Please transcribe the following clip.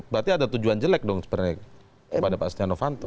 berarti ada tujuan jelek dong pada pak setia novanto